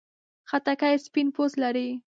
خټکی سپین پوست لري.